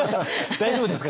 大丈夫ですか？